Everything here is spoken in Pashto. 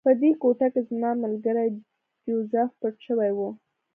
په دې کوټه کې زما ملګری جوزف پټ شوی و